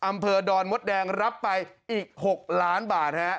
อำเภอดอนมดแดงรับไปอีก๖ล้านบาทฮะ